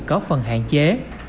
có phần hạn chế